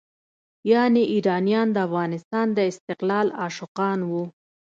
یعنې ایرانیان د افغانستان د استقلال عاشقان وو.